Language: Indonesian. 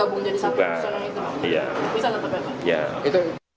bukan digabung jadi satu putusan